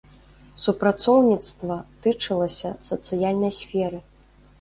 Супрацоўніцтва тычылася сацыяльнай сферы.